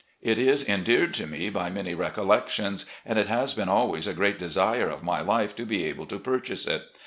It is endeared to me by many recollections, and it has been always a great desire of my life to be able to purchase it.